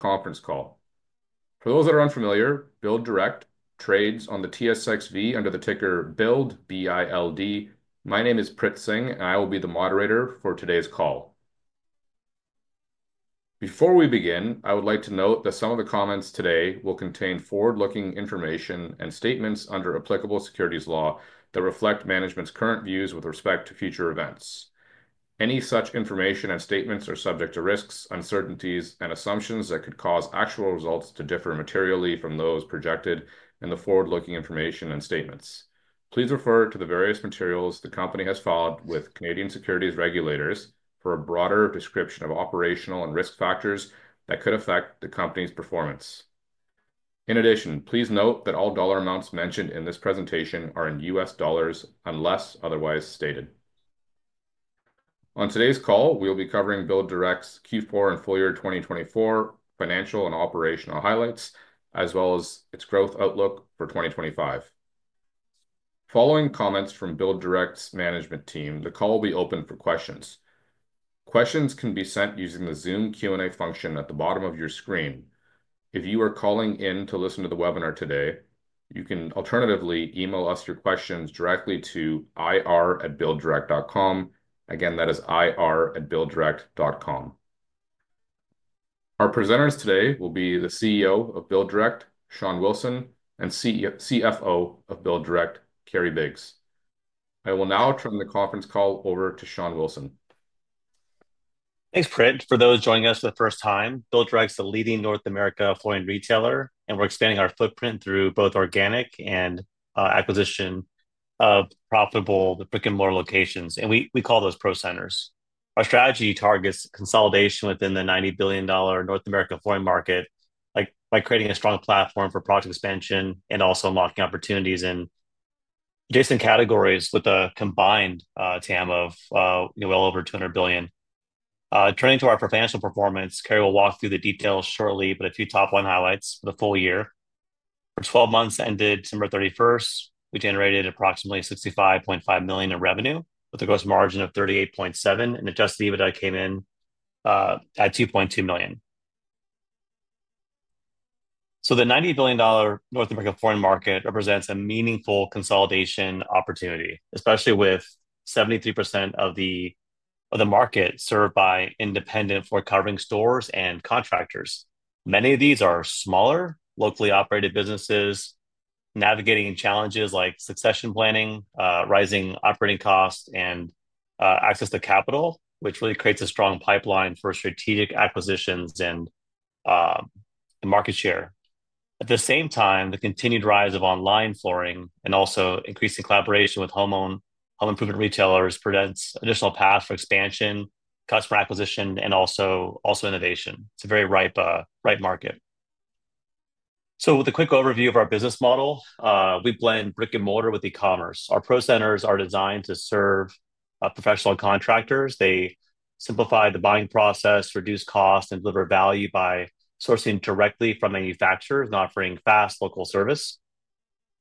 Conference call. For those that are unfamiliar, BuildDirect trades on the TSXV under the ticker BILD. My name is Prit Singh, and I will be the moderator for today's call. Before we begin, I would like to note that some of the comments today will contain forward-looking information and statements under applicable securities law that reflect management's current views with respect to future events. Any such information and statements are subject to risks, uncertainties, and assumptions that could cause actual results to differ materially from those projected in the forward-looking information and statements. Please refer to the various materials the company has filed with Canadian securities regulators for a broader description of operational and risk factors that could affect the company's performance. In addition, please note that all dollar amounts mentioned in this presentation are in U.S. dollars unless otherwise stated. On today's call, we will be covering BuildDirect's Q4 and full year 2024 financial and operational highlights, as well as its growth outlook for 2025. Following comments from BuildDirect's management team, the call will be open for questions. Questions can be sent using the Zoom Q&A function at the bottom of your screen. If you are calling in to listen to the webinar today, you can alternatively email us your questions directly to ir@builddirect.com. Again, that is ir@builddirect.com. Our presenters today will be the CEO of BuildDirect, Shawn Wilson, and CFO of BuildDirect, Kerry Biggs. I will now turn the conference call over to Shawn Wilson. Thanks, Prit. For those joining us for the first time, BuildDirect's the leading North America flooring retailer, and we're expanding our footprint through both organic and acquisition of profitable brick-and-mortar locations, and we call those proCenters. Our strategy targets consolidation within the $90 billion North America flooring market by creating a strong platform for project expansion and also unlocking opportunities in adjacent categories with a combined TAM of well over $200 billion. Turning to our financial performance, Kerry will walk through the details shortly, but a few top-line highlights for the full year. For 12 months ended December 31, we generated approximately $65.5 million in revenue with a gross margin of 38.7%, and adjusted EBITDA came in at $2.2 million. The $90 billion North America flooring market represents a meaningful consolidation opportunity, especially with 73% of the market served by independent floor covering stores and contractors. Many of these are smaller, locally operated businesses navigating challenges like succession planning, rising operating costs, and access to capital, which really creates a strong pipeline for strategic acquisitions and market share. At the same time, the continued rise of online flooring and also increasing collaboration with home improvement retailers presents additional paths for expansion, customer acquisition, and also innovation. It is a very ripe market. With a quick overview of our business model, we blend brick-and-mortar with e-commerce. Our proCenters are designed to serve professional contractors. They simplify the buying process, reduce costs, and deliver value by sourcing directly from manufacturers and offering fast local service.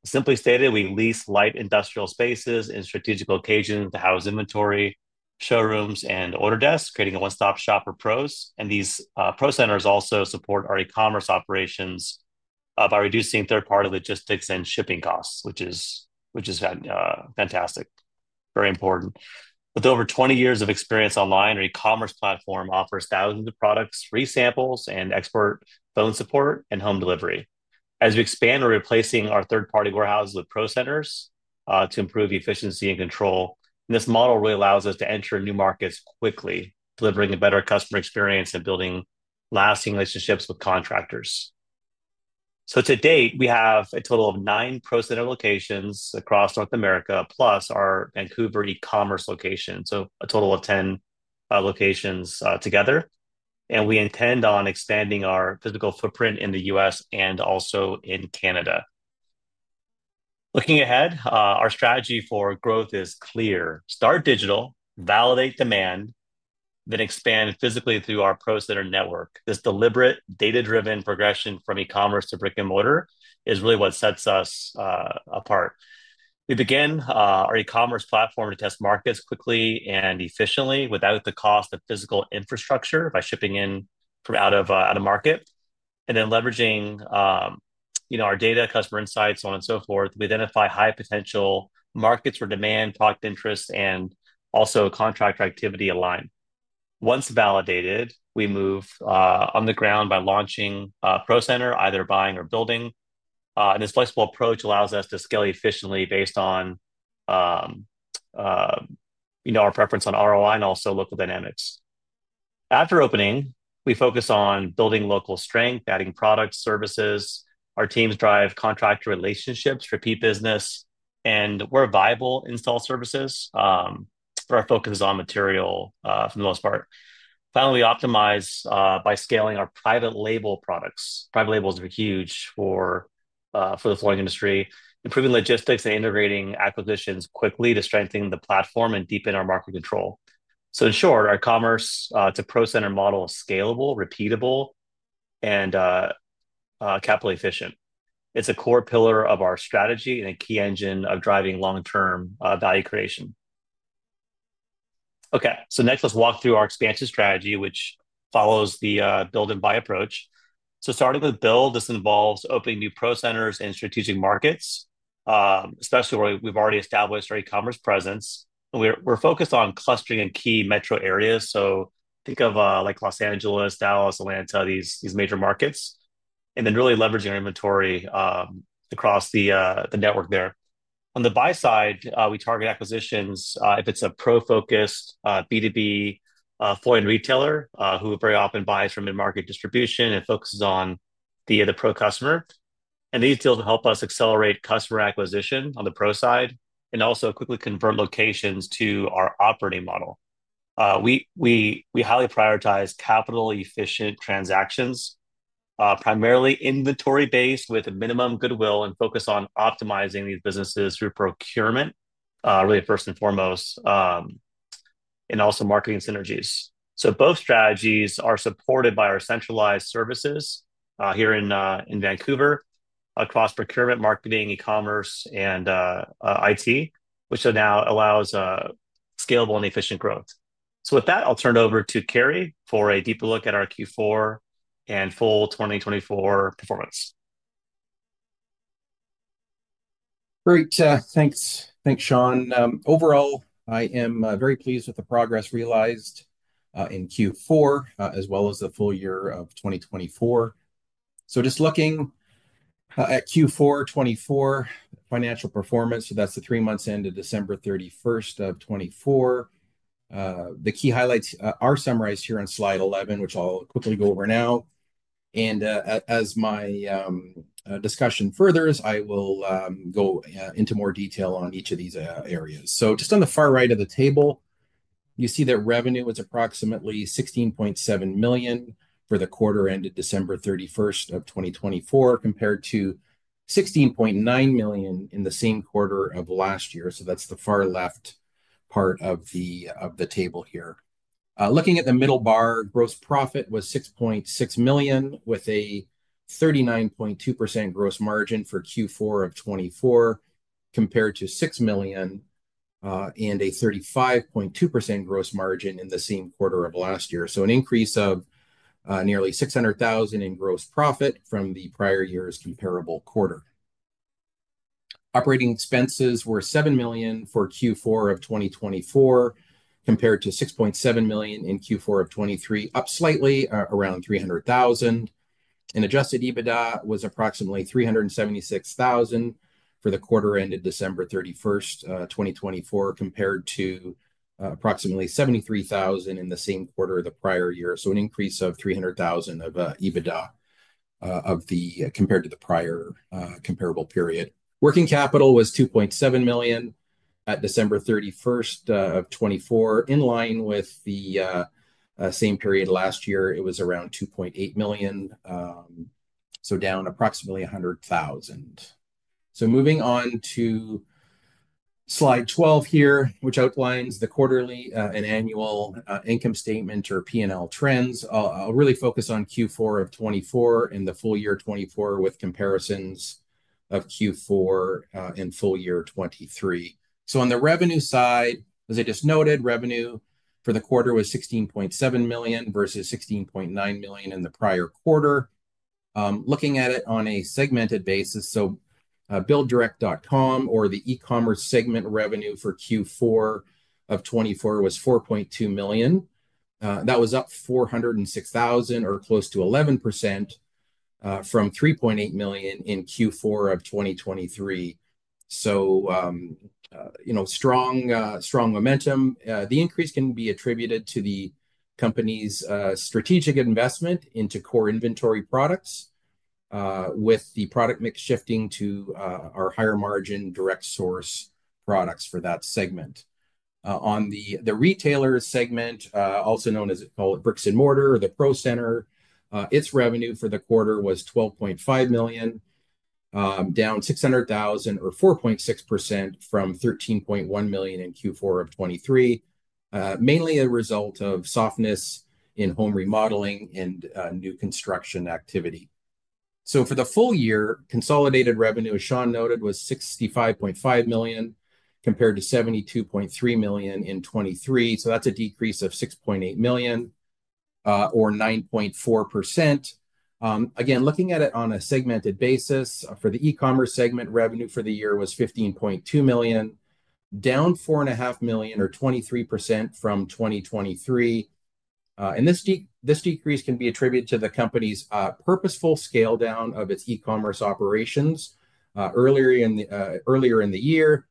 Simply stated, we lease light industrial spaces in strategic locations to house inventory, showrooms, and order desks, creating a one-stop shop for pros. These proCenters also support our e-commerce operations by reducing third-party logistics and shipping costs, which is fantastic, very important. With over 20 years of experience online, our e-commerce platform offers thousands of products, free samples, and expert phone support and home delivery. As we expand, we are replacing our third-party warehouses with proCenters to improve efficiency and control. This model really allows us to enter new markets quickly, delivering a better customer experience and building lasting relationships with contractors. To date, we have a total of nine proCenter locations across North America, plus our Vancouver e-commerce location, so a total of 10 locations together. We intend on expanding our physical footprint in the U.S. and also in Canada. Looking ahead, our strategy for growth is clear: start digital, validate demand, then expand physically through our proCenter network. This deliberate, data-driven progression from e-commerce to brick-and-mortar is really what sets us apart. We begin our e-commerce platform to test markets quickly and efficiently without the cost of physical infrastructure by shipping in from out of market. Then leveraging our data, customer insights, so on and so forth, we identify high potential markets for demand, product interests, and also contractor activity aligned. Once validated, we move on the ground by launching a proCenter, either buying or building. This flexible approach allows us to scale efficiently based on our preference on ROI and also local dynamics. After opening, we focus on building local strength, adding products, services. Our teams drive contractor relationships, repeat business, and we are viable install services for our focus is on material for the most part. Finally, we optimize by scaling our private label products. Private labels are huge for the flooring industry, improving logistics and integrating acquisitions quickly to strengthen the platform and deepen our market control. In short, our commerce to proCenter model is scalable, repeatable, and capital efficient. It's a core pillar of our strategy and a key engine of driving long-term value creation. Next, let's walk through our expansion strategy, which follows the Build and Buy approach. Starting with Build, this involves opening new proCenters in strategic markets, especially where we've already established our e-commerce presence. We're focused on clustering in key metro areas. Think of like Los Angeles, Dallas, Atlanta, these major markets, and then really leveraging our inventory across the network there. On the buy side, we target acquisitions if it's a pro-focused B2B flooring retailer who very often buys from mid-market distribution and focuses on the other pro customer. These deals help us accelerate customer acquisition on the pro side and also quickly convert locations to our operating model. We highly prioritize capital-efficient transactions, primarily inventory-based with a minimum goodwill and focus on optimizing these businesses through procurement, really first and foremost, and also marketing synergies. Both strategies are supported by our centralized services here in Vancouver across procurement, marketing, e-commerce, and IT, which now allows scalable and efficient growth. With that, I'll turn it over to Kerry for a deeper look at our Q4 and full 2024 performance. Great. Thanks, Shawn. Overall, I am very pleased with the progress realized in Q4 as well as the full year of 2024. Just looking at Q4 2024 financial performance, that is the three months ended December 31, 2024. The key highlights are summarized here on slide 11, which I will quickly go over now. As my discussion furthers, I will go into more detail on each of these areas. On the far right of the table, you see that revenue was approximately $16.7 million for the quarter ended December 31, 2024, compared to $16.9 million in the same quarter of last year. That is the far left part of the table here. Looking at the middle bar, gross profit was $6.6 million with a 39.2% gross margin for Q4 of 2024, compared to $6 million and a 35.2% gross margin in the same quarter of last year. An increase of nearly $600,000 in gross profit from the prior year's comparable quarter. Operating expenses were $7 million for Q4 of 2024, compared to $6.7 million in Q4 of 2023, up slightly around $300,000. Adjusted EBITDA was approximately $376,000 for the quarter ended December 31, 2024, compared to approximately $73,000 in the same quarter of the prior year. An increase of $300,000 of EBITDA compared to the prior comparable period. Working capital was $2.7 million at December 31 of 2024, in line with the same period last year. It was around $2.8 million, down approximately $100,000. Moving on to slide 12 here, which outlines the quarterly and annual income statement or P&L trends. I'll really focus on Q4 of 2024 and the full year 2024 with comparisons of Q4 and full year 2023. On the revenue side, as I just noted, revenue for the quarter was $16.7 million versus $16.9 million in the prior quarter. Looking at it on a segmented basis, BuildDirect.com or the e-commerce segment revenue for Q4 of 2024 was $4.2 million. That was up $406,000 or close to 11% from $3.8 million in Q4 of 2023. Strong momentum. The increase can be attributed to the company's strategic investment into core inventory products, with the product mix shifting to our higher margin direct source products for that segment. On the retailer segment, also known as it called brick- and -mortar or the procenter, its revenue for the quarter was $12.5 million, down $600,000 or 4.6% from $13.1 million in Q4 of 2023, mainly a result of softness in home remodeling and new construction activity. For the full year, consolidated revenue, as Shawn noted, was $65.5 million compared to $72.3 million in 2023. That is a decrease of $6.8 million or 9.4%. Again, looking at it on a segmented basis, for the e-commerce segment, revenue for the year was $15.2 million, down $4.5 million or 23% from 2023. This decrease can be attributed to the company's purposeful scale down of its e-commerce operations earlier in the year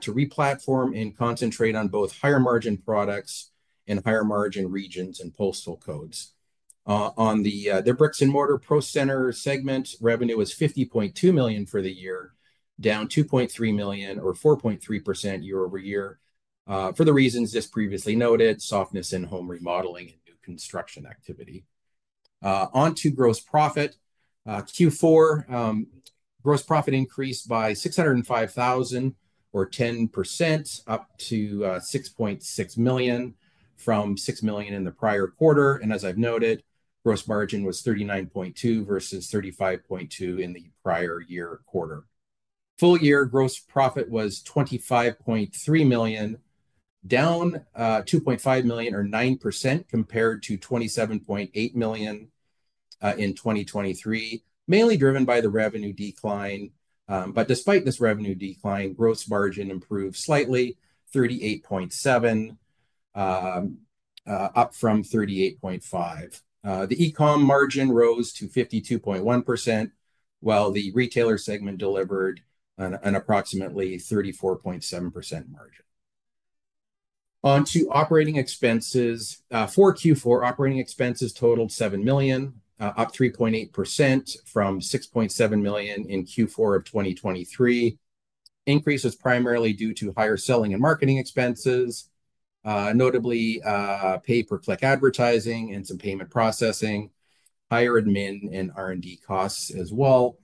to replatform and concentrate on both higher margin products and higher margin regions and postal codes. On the brick- and- mortar proCenter segment, revenue was $50.2 million for the year, down $2.3 million or 4.3% year over year for the reasons just previously noted, softness in home remodeling and new construction activity. Onto gross profit. Q4 gross profit increased by $605,000 or 10%, up to $6.6 million from $6 million in the prior quarter. As I've noted, gross margin was 39.2% versus 35.2% in the prior year quarter. Full year gross profit was $25.3 million, down $2.5 million or 9% compared to $27.8 million in 2023, mainly driven by the revenue decline. Despite this revenue decline, gross margin improved slightly, 38.7%, up from 38.5%. The e-com margin rose to 52.1%, while the retailer segment delivered an approximately 34.7% margin. Onto operating expenses. For Q4, operating expenses totaled $7 million, up 3.8% from $6.7 million in Q4 of 2023. Increase was primarily due to higher selling and marketing expenses, notably pay- per- click advertising and some payment processing, higher admin and R&D costs as well.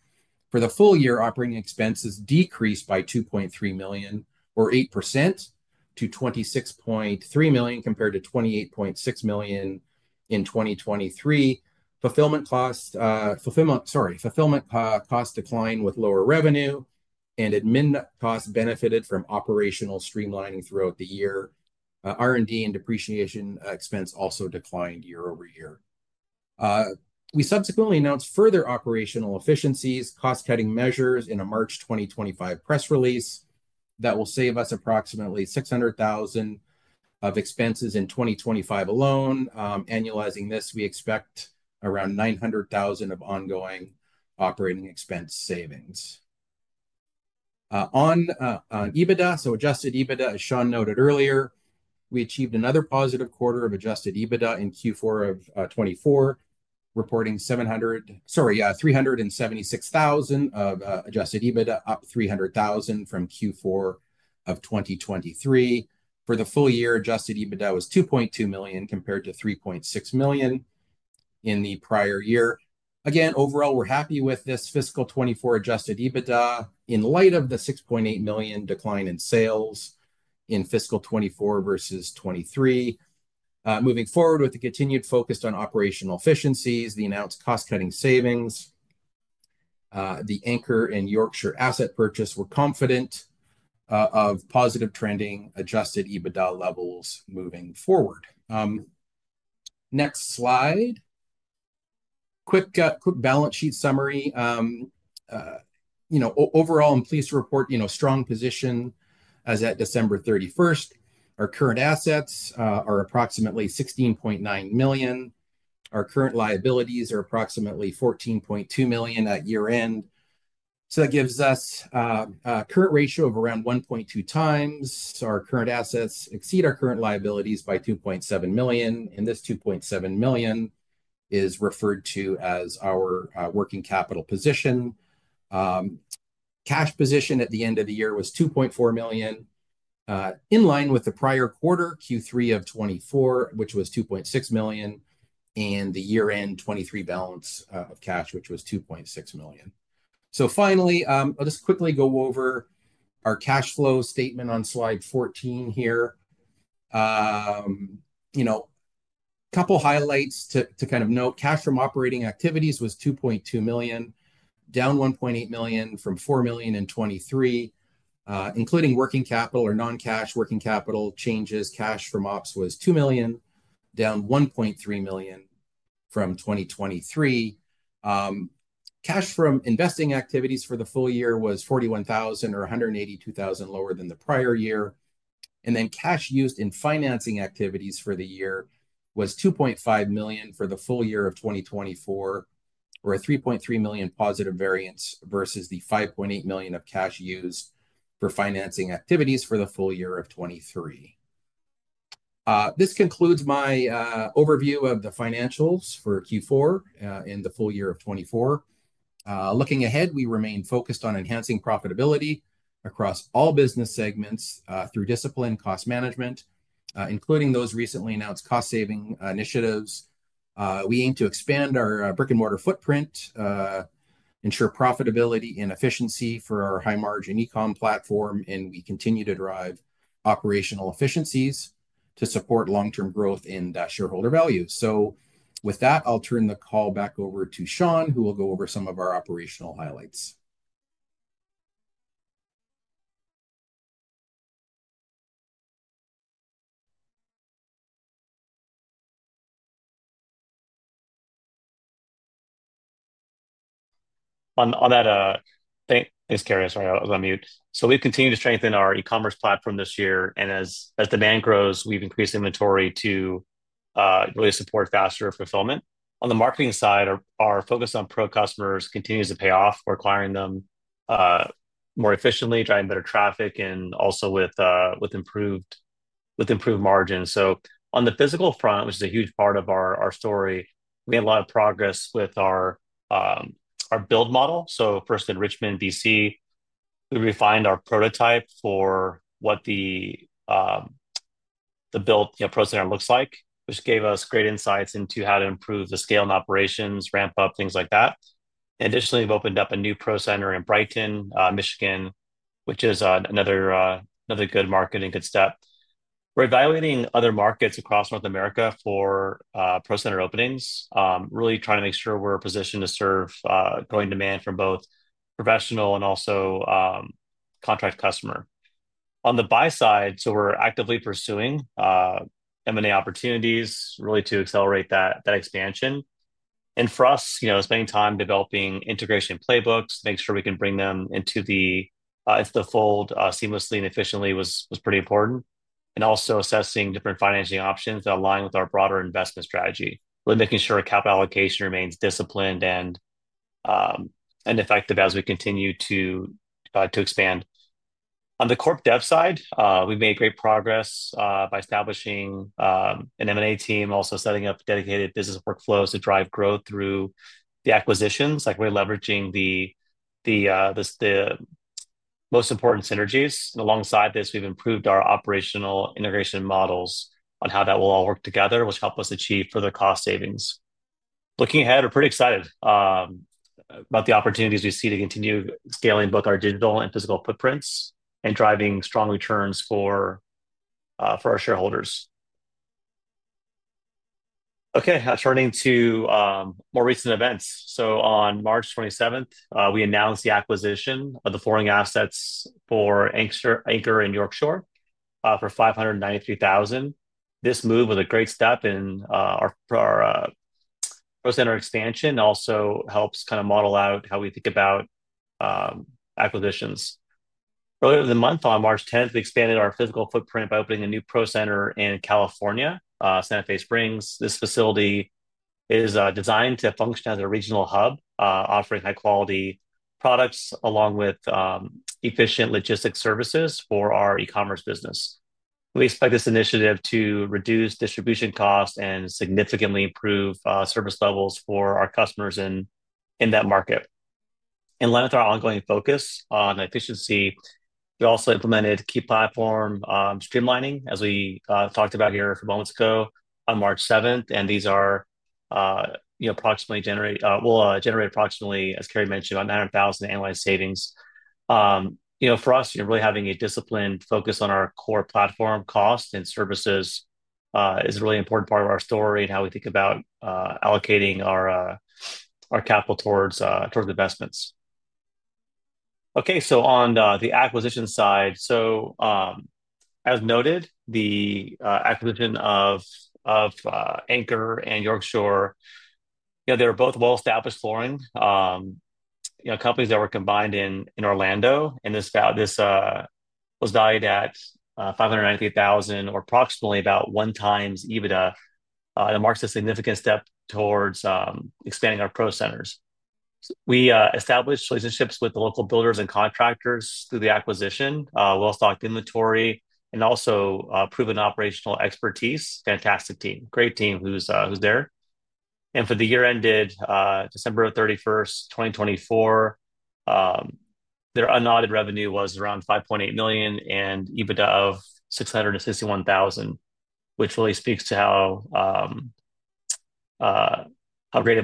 For the full year, operating expenses decreased by $2.3 million or 8% to $26.3 million compared to $28.6 million in 2023. Fulfillment costs declined with lower revenue, and admin costs benefited from operational streamlining throughout the year. R&D and depreciation expense also declined year over year. We subsequently announced further operational efficiencies, cost-cutting measures in a March 2025 press release that will save us approximately $600,000 of expenses in 2025 alone. Annualizing this, we expect around $900,000 of ongoing operating expense savings. On EBITDA, so adjusted EBITDA, as Shawn noted earlier, we achieved another positive quarter of adjusted EBITDA in Q4 of 2024, reporting $376,000 of adjusted EBITDA, up $300,000 from Q4 of 2023. For the full year, adjusted EBITDA was $2.2 million compared to $3.6 million in the prior year. Again, overall, we're happy with this fiscal 2024 adjusted EBITDA in light of the $6.8 million decline in sales in fiscal 2024 versus 2023. Moving forward with the continued focus on operational efficiencies, the announced cost-cutting savings, the Anchor and Yorkshire asset purchase, we're confident of positive trending adjusted EBITDA levels moving forward. Next slide. Quick balance sheet summary. Overall, I'm pleased to report strong position as at December 31. Our current assets are approximately $16.9 million. Our current liabilities are approximately $14.2 million at year-end. That gives us a current ratio of around 1.2 times. Our current assets exceed our current liabilities by $2.7 million. This $2.7 million is referred to as our working capital position. Cash position at the end of the year was $2.4 million, in line with the prior quarter, Q3 of 2024, which was $2.6 million, and the year-end 2023 balance of cash, which was $2.6 million. Finally, I'll just quickly go over our cash flow statement on slide 14 here. A couple of highlights to kind of note. Cash from operating activities was $2.2 million, down $1.8 million from $4 million in 2023, including working capital or non-cash working capital changes. Cash from ops was $2 million, down $1.3 million from 2023. Cash from investing activities for the full year was $41,000 or $182,000 lower than the prior year. Cash used in financing activities for the year was $2.5 million for the full year of 2024, or a $3.3 million positive variance versus the $5.8 million of cash used for financing activities for the full year of 2023. This concludes my overview of the financials for Q4 in the full year of 2024. Looking ahead, we remain focused on enhancing profitability across all business segments through discipline and cost management, including those recently announced cost-saving initiatives. We aim to expand our brick-and-mortar footprint, ensure profitability and efficiency for our high-margin e-com platform, and we continue to drive operational efficiencies to support long-term growth in shareholder value. With that, I'll turn the call back over to Shawn, who will go over some of our operational highlights. On that, thanks, Kerry. Sorry, I was on mute. We have continued to strengthen our e-commerce platform this year. As demand grows, we have increased inventory to really support faster fulfillment. On the marketing side, our focus on pro customers continues to pay off. We are acquiring them more efficiently, driving better traffic, and also with improved margins. On the physical front, which is a huge part of our story, we had a lot of progress with our build model. First in Richmond, BC, we refined our prototype for what the built proenter looks like, which gave us great insights into how to improve the scale and operations, ramp up, things like that. Additionally, we have opened up a new proCenter in Brighton, Michigan, which is another good market and good step. We're evaluating other markets across North America for proCenter openings, really trying to make sure we're positioned to serve growing demand from both professional and also contract customer. On the buy side, we're actively pursuing M&A opportunities really to accelerate that expansion. For us, spending time developing integration playbooks, making sure we can bring them into the fold seamlessly and efficiently was pretty important. Also assessing different financing options that align with our broader investment strategy, really making sure capital allocation remains disciplined and effective as we continue to expand. On the corp dev side, we've made great progress by establishing an M&A team, also setting up dedicated business workflows to drive growth through the acquisitions, like really leveraging the most important synergies. Alongside this, we've improved our operational integration models on how that will all work together, which helps us achieve further cost savings. Looking ahead, we're pretty excited about the opportunities we see to continue scaling both our digital and physical footprints and driving strong returns for our shareholders. Okay, turning to more recent events. On March 27th, we announced the acquisition of the flooring assets for Anchor and Yorkshire for $593,000. This move was a great step in our proCenter expansion and also helps kind of model out how we think about acquisitions. Earlier in the month, on March 10th, we expanded our physical footprint by opening a new proCenter in California, Santa Fe Springs. This facility is designed to function as a regional hub, offering high-quality products along with efficient logistics services for our e-commerce business. We expect this initiative to reduce distribution costs and significantly improve service levels for our customers in that market. In line with our ongoing focus on efficiency, we also implemented key platform streamlining, as we talked about here a few moments ago on March 7. These generate approximately, as Kerry mentioned, about $900,000 in annualized savings. For us, really having a disciplined focus on our core platform, cost and services is a really important part of our story and how we think about allocating our capital towards investments. On the acquisition side, as noted, the acquisition of Anchor and Yorkshire, they're both well-established flooring companies that were combined in Orlando. This was valued at $593,000 or approximately about one times EBITDA. It marks a significant step towards expanding our proCenters. We established relationships with the local builders and contractors through the acquisition, well-stocked inventory, and also proven operational expertise. Fantastic team. Great team who's there. For the year-ended December 31, 2024, their unaudited revenue was around $5.8 million and EBITDA of $661,000, which really speaks to how great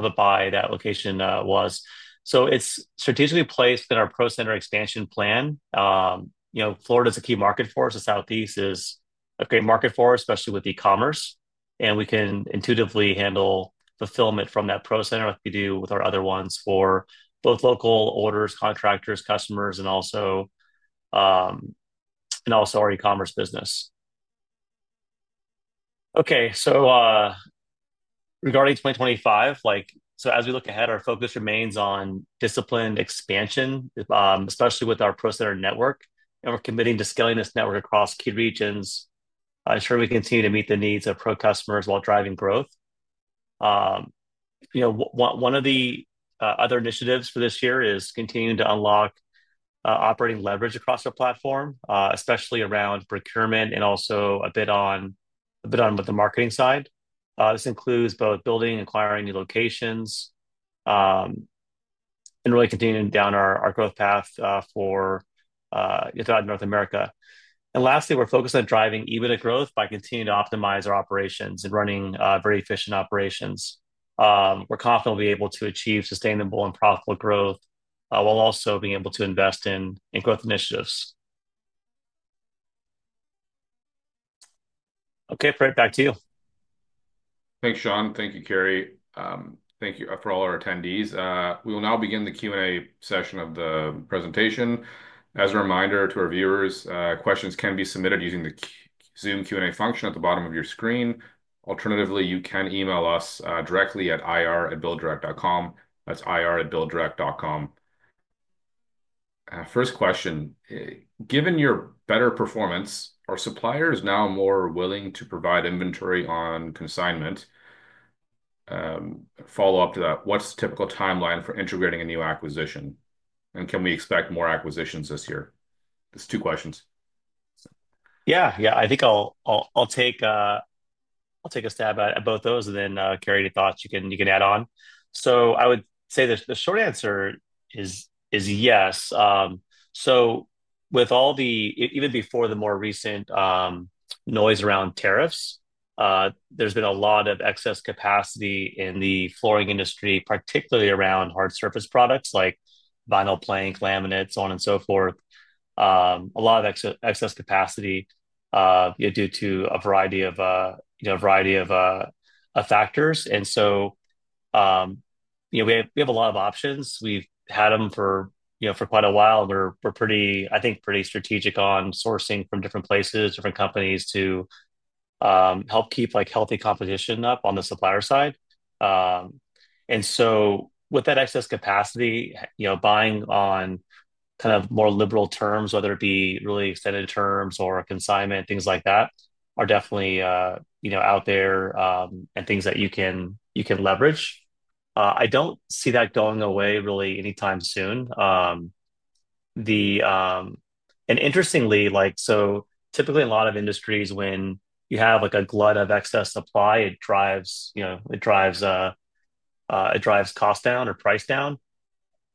of a buy that location was. It is strategically placed in our proCenter expansion plan. Florida is a key market for us. The Southeast is a great market for us, especially with e-commerce. We can intuitively handle fulfillment from that proCenter like we do with our other ones for both local orders, contractors, customers, and also our e-commerce business. Regarding 2025, as we look ahead, our focus remains on disciplined expansion, especially with our proCenter network. We are committing to scaling this network across key regions to ensure we continue to meet the needs of pro customers while driving growth. One of the other initiatives for this year is continuing to unlock operating leverage across our platform, especially around procurement and also a bit on the marketing side. This includes both building, acquiring new locations, and really continuing down our growth path throughout North America. Lastly, we're focused on driving EBITDA growth by continuing to optimize our operations and running very efficient operations. We're confident we'll be able to achieve sustainable and profitable growth while also being able to invest in growth initiatives. Okay, Fred, back to you. Thanks, Shawn. Thank you, Kerry. Thank you for all our attendees. We will now begin the Q&A session of the presentation. As a reminder to our viewers, questions can be submitted using the Zoom Q&A function at the bottom of your screen. Alternatively, you can email us directly at ir@builddirect.com. That's ir@builddirect.com. First question. Given your better performance, are suppliers now more willing to provide inventory on consignment? Follow up to that, what's the typical timeline for integrating a new acquisition? And can we expect more acquisitions this year? That's two questions. Yeah, yeah. I think I'll take a stab at both those. Then, Kerry, any thoughts you can add on? I would say the short answer is yes. With all the, even before the more recent noise around tariffs, there's been a lot of excess capacity in the flooring industry, particularly around hard surface products like vinyl plank, laminate, so on and so forth. A lot of excess capacity due to a variety of factors. We have a lot of options. We've had them for quite a while. We're, I think, pretty strategic on sourcing from different places, different companies to help keep healthy competition up on the supplier side. With that excess capacity, buying on kind of more liberal terms, whether it be really extended terms or consignment, things like that, are definitely out there and things that you can leverage. I don't see that going away really anytime soon. Interestingly, typically a lot of industries, when you have a glut of excess supply, it drives cost down or price down.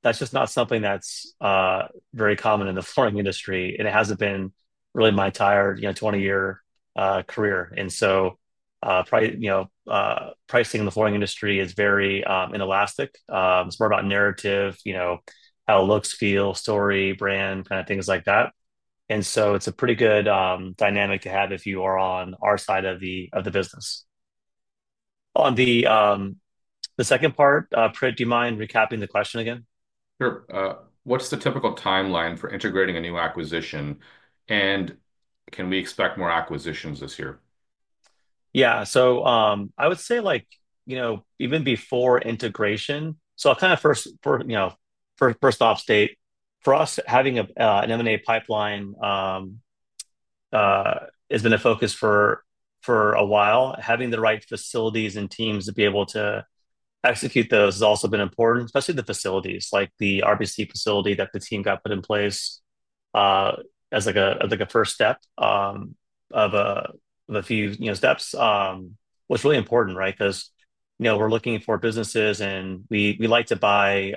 That's just not something that's very common in the flooring industry. It hasn't been really my entire 20-year career. Pricing in the flooring industry is very inelastic. It's more about narrative, how it looks, feel, story, brand, kind of things like that. It's a pretty good dynamic to have if you are on our side of the business. On the second part, Fred, do you mind recapping the question again? Sure. What's the typical timeline for integrating a new acquisition? Can we expect more acquisitions this year? Yeah. I would say even before integration, I'll kind of first off state, for us, having an M&A pipeline has been a focus for a while. Having the right facilities and teams to be able to execute those has also been important, especially the facilities, like the Royal Bank facility that the team got put in place as a first step of a few steps, was really important, right? Because we're looking for businesses, and we like to buy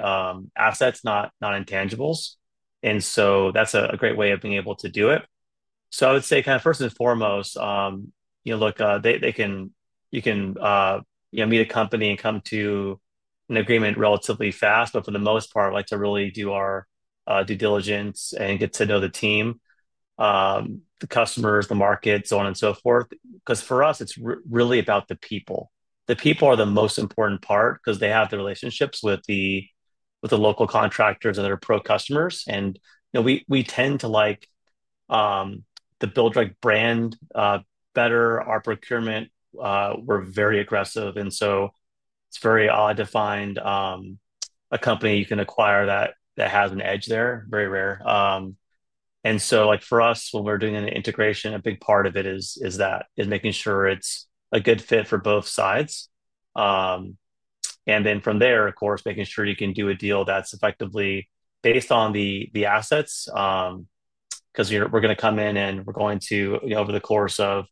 assets, not intangibles. That's a great way of being able to do it. I would say kind of first and foremost, look, you can meet a company and come to an agreement relatively fast, but for the most part, we like to really do our due diligence and get to know the team, the customers, the market, so on and so forth. Because for us, it's really about the people. The people are the most important part because they have the relationships with the local contractors and their pro customers. We tend to like the BuildDirect brand better. Our procurement, we're very aggressive. It's very odd to find a company you can acquire that has an edge there. Very rare. For us, when we're doing an integration, a big part of it is that, making sure it's a good fit for both sides. From there, of course, making sure you can do a deal that's effectively based on the assets. We're going to come in and we're going to, over the course of,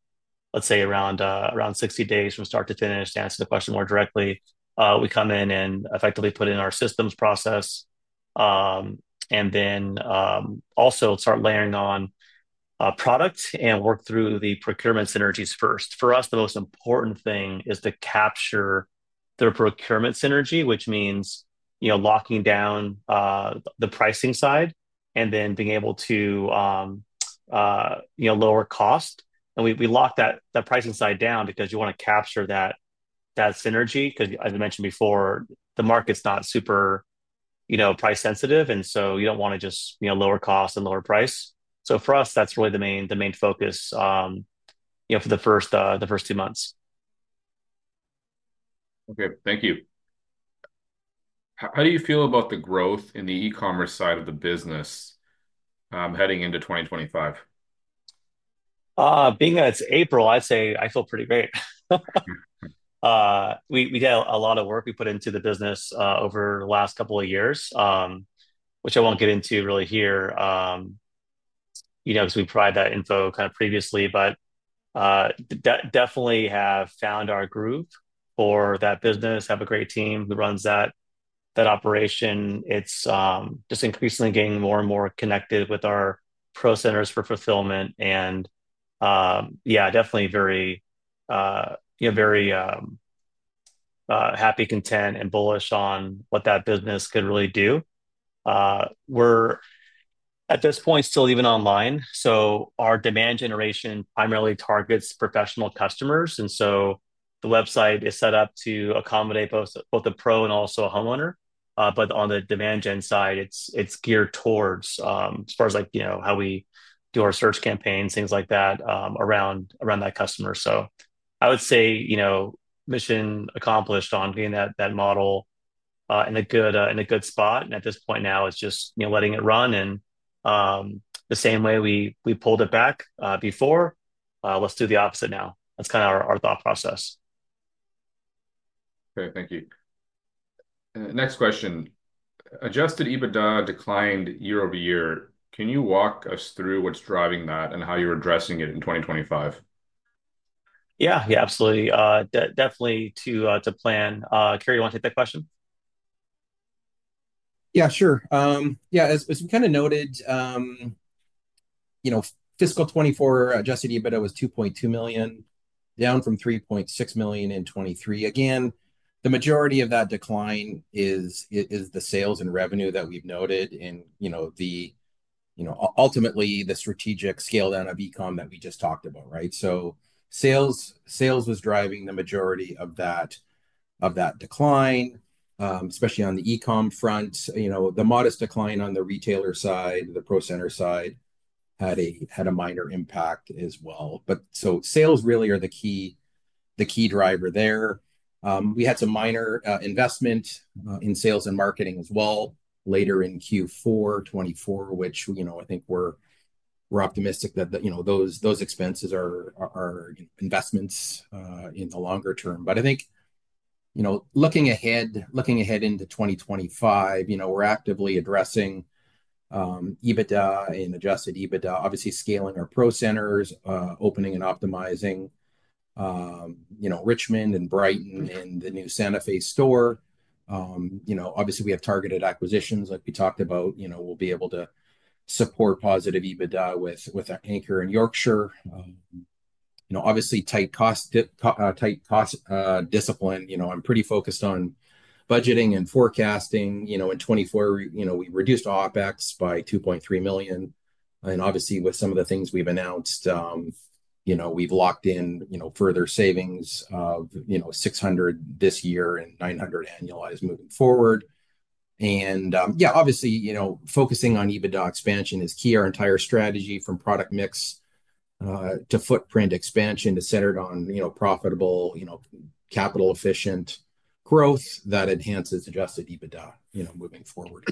let's say, around 60 days from start to finish, to answer the question more directly, we come in and effectively put in our systems process. Then also start layering on product and work through the procurement synergies first. For us, the most important thing is to capture their procurement synergy, which means locking down the pricing side and then being able to lower cost. We lock that pricing side down because you want to capture that synergy. As I mentioned before, the market's not super price-sensitive, and you do not want to just lower cost and lower price. For us, that's really the main focus for the first two months. Okay. Thank you. How do you feel about the growth in the e-commerce side of the business heading into 2025? Being that it's April, I'd say I feel pretty great. We had a lot of work we put into the business over the last couple of years, which I won't get into really here because we provide that info kind of previously, but definitely have found our groove for that business. Have a great team who runs that operation. It's just increasingly getting more and more connected with our proCenters for fulfillment. Yeah, definitely very happy, content, and bullish on what that business could really do. We're at this point still even online. Our demand generation primarily targets professional customers. The website is set up to accommodate both a pro and also a homeowner. On the demand gen side, it's geared towards as far as how we do our search campaigns, things like that around that customer. I would say mission accomplished on getting that model in a good spot. At this point now, it's just letting it run. The same way we pulled it back before, let's do the opposite now. That's kind of our thought process. Okay. Thank you. Next question. Adjusted EBITDA declined year over year. Can you walk us through what's driving that and how you're addressing it in 2025? Yeah. Yeah, absolutely. Definitely to plan. Kerry, you want to take that question? Yeah, sure. Yeah. As we kind of noted, fiscal 2024, adjusted EBITDA was $2.2 million, down from $3.6 million in 2023. Again, the majority of that decline is the sales and revenue that we've noted and ultimately the strategic scale down of e-commerce that we just talked about, right? Sales was driving the majority of that decline, especially on the e-commerce front. The modest decline on the retailer side, the proCenter side had a minor impact as well. Sales really are the key driver there. We had some minor investment in sales and marketing as well later in Q4 2024, which I think we're optimistic that those expenses are investments in the longer term. I think looking ahead into 2025, we're actively addressing EBITDA and adjusted EBITDA, obviously scaling our proCenters, opening and optimizing Richmond and Brighton and the new Santa Fe store. Obviously, we have targeted acquisitions like we talked about. We'll be able to support positive EBITDA with Anchor and Yorkshire. Obviously, tight cost discipline. I'm pretty focused on budgeting and forecasting. In 2024, we reduced OpEx by $2.3 million. Obviously, with some of the things we've announced, we've locked in further savings of $600,000 this year and $900,000 annualized moving forward. Yeah, obviously, focusing on EBITDA expansion is key. Our entire strategy from product mix to footprint expansion is centered on profitable, capital-efficient growth that enhances adjusted EBITDA moving forward.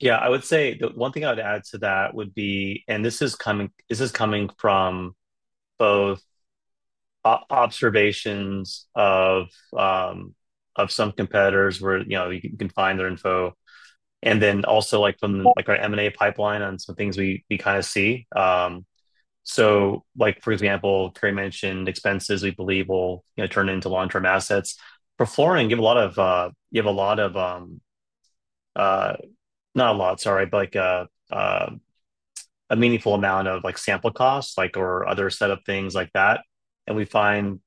Yeah. I would say the one thing I would add to that would be, and this is coming from both observations of some competitors where you can find their info, and then also from our M&A pipeline on some things we kind of see. For example, Kerry mentioned expenses we believe will turn into long-term assets. For flooring, you have a lot of, not a lot, sorry, but a meaningful amount of sample costs or other set of things like that. We find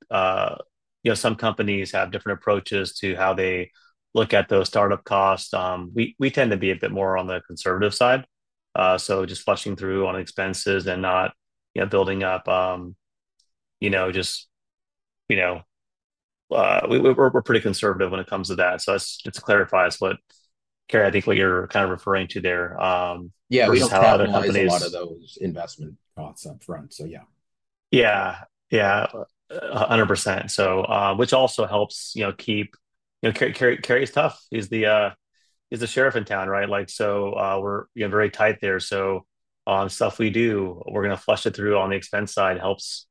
some companies have different approaches to how they look at those startup costs. We tend to be a bit more on the conservative side. Just flushing through on expenses and not building up, just we're pretty conservative when it comes to that. Just to clarify, Kerry, I think what you're kind of referring to there is how other companies. Yeah. We have a lot of those investment costs upfront. Yeah. Yeah. Yeah. 100%. Which also helps keep Kerry's tough. He's the sheriff in town, right? We are very tight there. Stuff we do, we're going to flush it through on the expense side, helps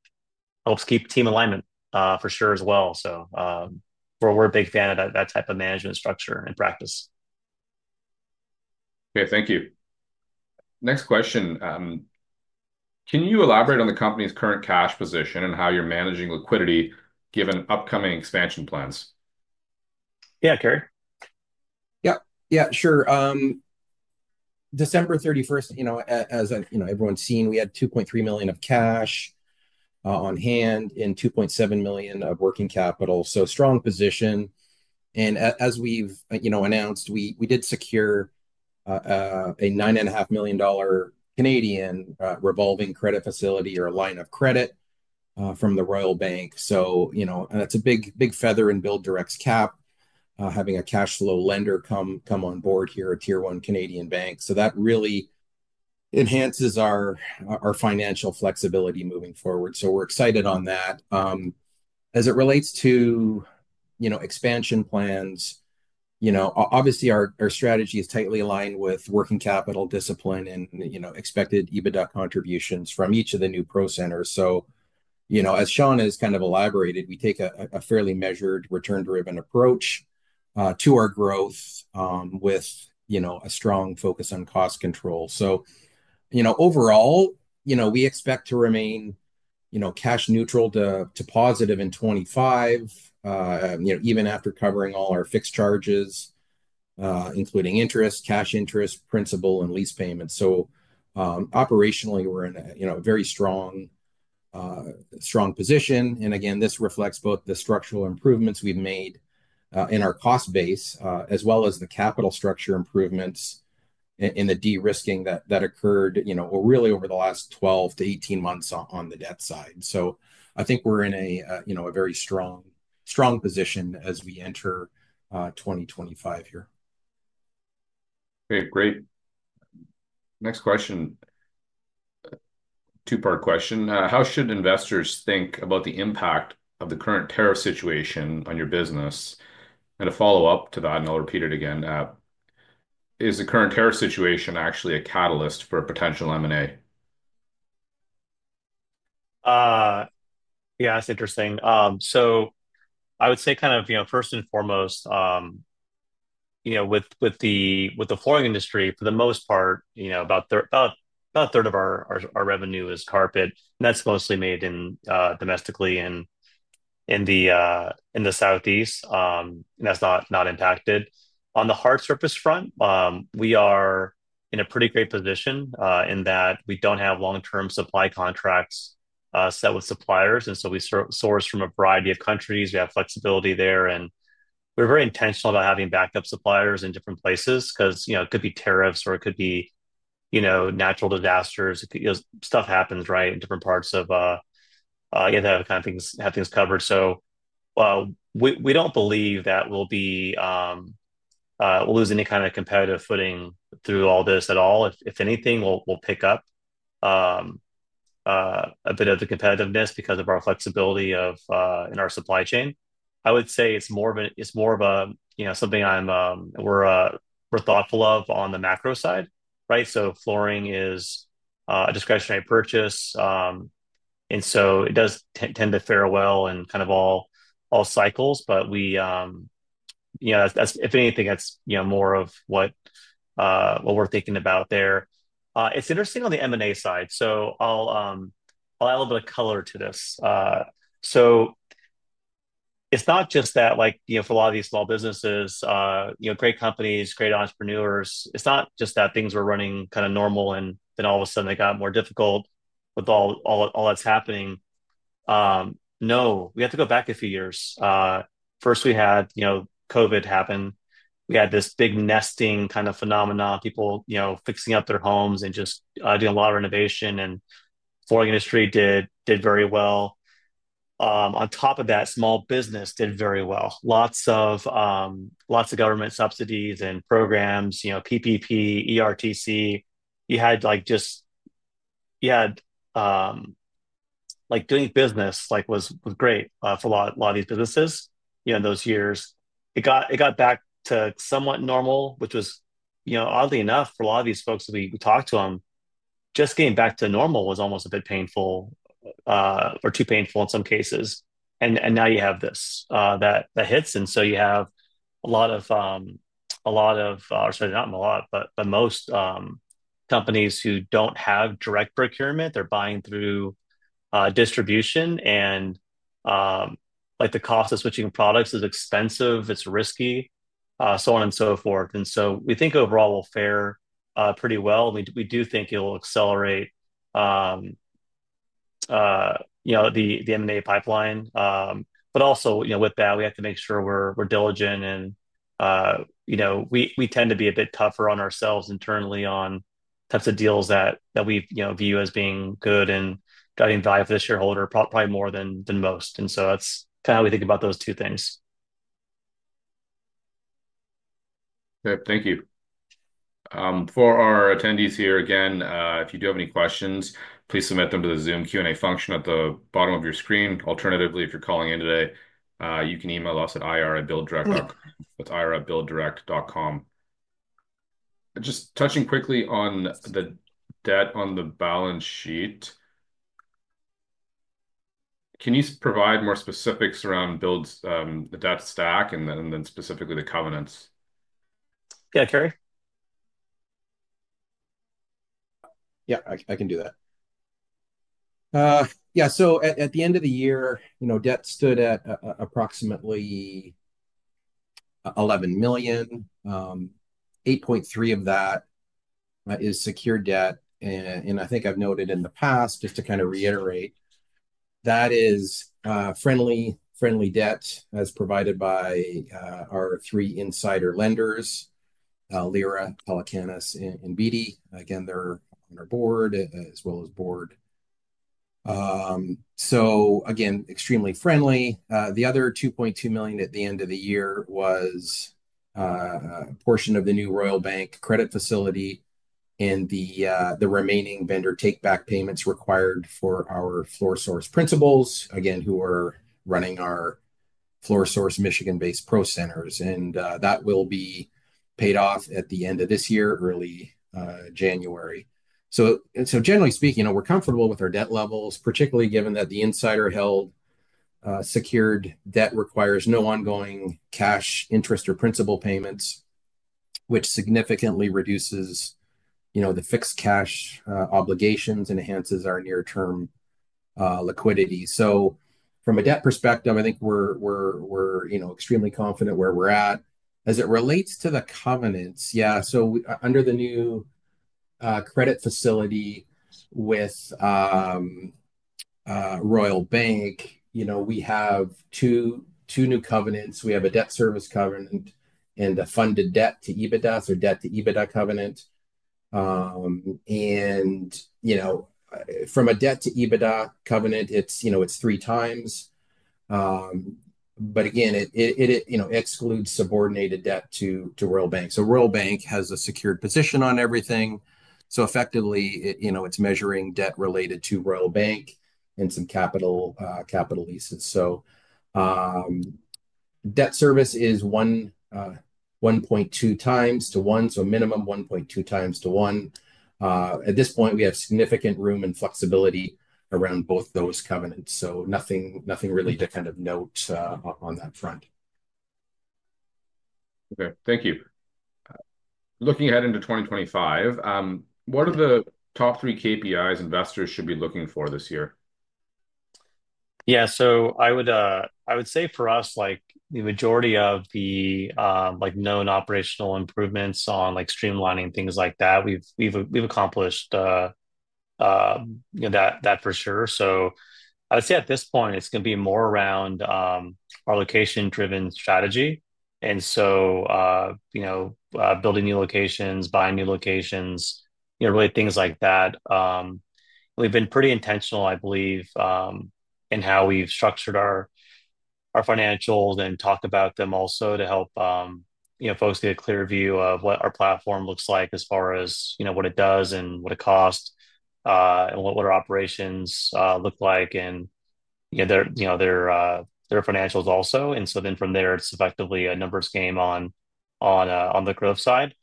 keep team alignment for sure as well. We are a big fan of that type of management structure and practice. Okay. Thank you. Next question. Can you elaborate on the company's current cash position and how you're managing liquidity given upcoming expansion plans? Yeah, Kerry. Yeah. Yeah. Sure. December 31st, as everyone's seen, we had $2.3 million of cash on hand and $2.7 million of working capital. Strong position. As we've announced, we did secure a 9.5 million Canadian dollars revolving credit facility or a line of credit from the Royal Bank. That's a big feather in BuildDirect's cap, having a cash flow lender come on board here, a tier one Canadian bank. That really enhances our financial flexibility moving forward. We're excited on that. As it relates to expansion plans, obviously, our strategy is tightly aligned with working capital discipline and expected EBITDA contributions from each of the new proCenters. As Shawn has kind of elaborated, we take a fairly measured return-driven approach to our growth with a strong focus on cost control. Overall, we expect to remain cash neutral to positive in 2025, even after covering all our fixed charges, including interest, cash interest, principal, and lease payments. Operationally, we're in a very strong position. This reflects both the structural improvements we've made in our cost base as well as the capital structure improvements in the de-risking that occurred really over the last 12 to 18 months on the debt side. I think we're in a very strong position as we enter 2025 here. Okay. Great. Next question. Two-part question. How should investors think about the impact of the current tariff situation on your business? A follow-up to that, and I'll repeat it again. Is the current tariff situation actually a catalyst for a potential M&A? Yeah. That's interesting. I would say kind of first and foremost, with the flooring industry, for the most part, about a third of our revenue is carpet. That's mostly made domestically in the Southeast. That's not impacted. On the hard surface front, we are in a pretty great position in that we don't have long-term supply contracts set with suppliers. We source from a variety of countries. We have flexibility there. We're very intentional about having backup suppliers in different places because it could be tariffs or it could be natural disasters. Stuff happens, right, in different parts of you have to have things covered. We don't believe that we'll lose any kind of competitive footing through all this at all. If anything, we'll pick up a bit of the competitiveness because of our flexibility in our supply chain. I would say it's more of a something we're thoughtful of on the macro side, right? Flooring is a discretionary purchase, and so it does tend to fare well in kind of all cycles. If anything, that's more of what we're thinking about there. It's interesting on the M&A side. I'll add a little bit of color to this. It's not just that for a lot of these small businesses, great companies, great entrepreneurs, it's not just that things were running kind of normal and then all of a sudden they got more difficult with all that's happening. No. We have to go back a few years. First, we had COVID happen. We had this big nesting kind of phenomenon, people fixing up their homes and just doing a lot of renovation. The flooring industry did very well. On top of that, small business did very well. Lots of government subsidies and programs, PPP, ERTC. You had just doing business was great for a lot of these businesses in those years. It got back to somewhat normal, which was oddly enough for a lot of these folks that we talked to, just getting back to normal was almost a bit painful or too painful in some cases. Now you have this that hits. You have a lot of, I'm sorry, not a lot, but most companies who do not have direct procurement, they are buying through distribution. The cost of switching products is expensive. It is risky, so on and so forth. We think overall we will fare pretty well. We do think it will accelerate the M&A pipeline. Also with that, we have to make sure we are diligent. We tend to be a bit tougher on ourselves internally on types of deals that we view as being good and guiding value for the shareholder probably more than most. That is kind of how we think about those two things. Okay. Thank you. For our attendees here, again, if you do have any questions, please submit them to the Zoom Q&A function at the bottom of your screen. Alternatively, if you're calling in today, you can email us at ir@builddirect.com. Just touching quickly on the debt on the balance sheet. Can you provide more specifics around that stack and then specifically the covenants? Yeah, Kerry. Yeah. I can do that. Yeah. At the end of the year, debt stood at approximately $11 million. $8.3 million of that is secured debt. I think I've noted in the past, just to kind of reiterate, that is friendly debt as provided by our three insider lenders, Lira, Pelicanus, and Beatty. Again, they're on our board as well as board. Again, extremely friendly. The other $2.2 million at the end of the year was a portion of the new Royal Bank credit facility and the remaining vendor take-back payments required for our Floor Source principals, again, who are running our Floor Source Michigan-based proCenter operations. That will be paid off at the end of this year, early January. Generally speaking, we're comfortable with our debt levels, particularly given that the insider-held secured debt requires no ongoing cash, interest, or principal payments, which significantly reduces the fixed cash obligations and enhances our near-term liquidity. From a debt perspective, I think we're extremely confident where we're at. As it relates to the covenants, yeah. Under the new credit facility with Royal Bank, we have two new covenants. We have a debt service covenant and a funded debt to EBITDA or debt to EBITDA covenant. From a debt to EBITDA covenant, it's three times. Again, it excludes subordinated debt to Royal Bank. Royal Bank has a secured position on everything. Effectively, it's measuring debt related to Royal Bank and some capital leases. Debt service is 1.2 times to 1, so minimum 1.2 times to 1. At this point, we have significant room and flexibility around both those covenants. Nothing really to kind of note on that front. Okay. Thank you. Looking ahead into 2025, what are the top three KPIs investors should be looking for this year? Yeah. I would say for us, the majority of the known operational improvements on streamlining things like that, we've accomplished that for sure. I would say at this point, it's going to be more around our location-driven strategy. Building new locations, buying new locations, really things like that. We've been pretty intentional, I believe, in how we've structured our financials and talked about them also to help folks get a clear view of what our platform looks like as far as what it does and what it costs and what our operations look like and their financials also. From there, it's effectively a numbers game on the growth side.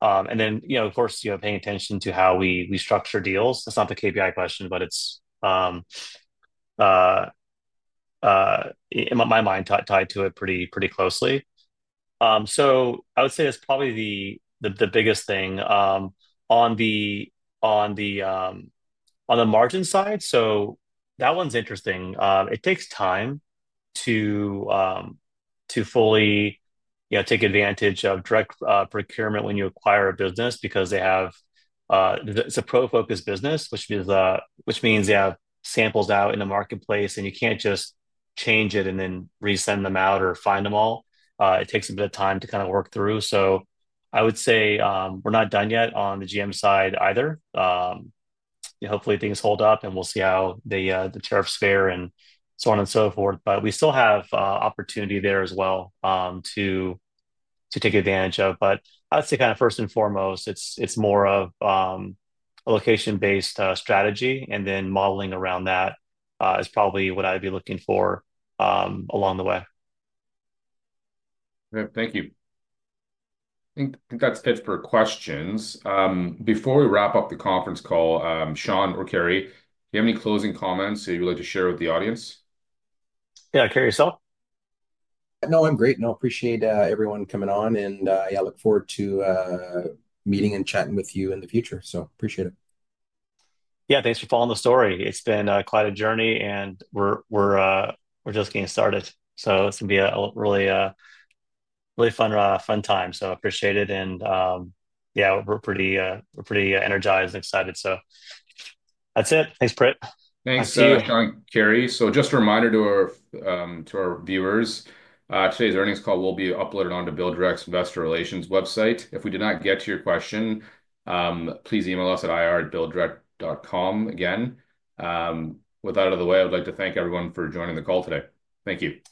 Of course, paying attention to how we structure deals. That's not the KPI question, but it's, in my mind, tied to it pretty closely. I would say that's probably the biggest thing. On the margin side, that one's interesting. It takes time to fully take advantage of direct procurement when you acquire a business because it's a pro-focused business, which means they have samples out in the marketplace, and you can't just change it and then resend them out or find them all. It takes a bit of time to kind of work through. I would say we're not done yet on the GM side either. Hopefully, things hold up, and we'll see how the tariffs fare and so on and so forth. We still have opportunity there as well to take advantage of. I would say kind of first and foremost, it's more of a location-based strategy, and then modeling around that is probably what I'd be looking for along the way. Okay. Thank you. I think that's it for questions. Before we wrap up the conference call, Shawn or Kerry, do you have any closing comments that you'd like to share with the audience? Yeah. Kerry, yourself? No, I'm great. I appreciate everyone coming on. Yeah, I look forward to meeting and chatting with you in the future. I appreciate it. Yeah. Thanks for telling the story. It's been quite a journey, and we're just getting started. It's going to be a really fun time. I appreciate it. Yeah, we're pretty energized and excited. That's it. Thanks, Prit. Thanks. Thank you. Thanks so much, Shawn and Kerry. Just a reminder to our viewers, today's earnings call will be uploaded onto BuildDirect's Investor Relations website. If we did not get to your question, please email us at ir@builddirect.com again. With that out of the way, I would like to thank everyone for joining the call today. Thank you. Thanks.